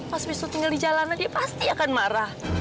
pas wisu tinggal di jalanan dia pasti akan marah